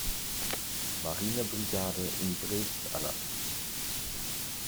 Marinebrigade in Brest ernannt.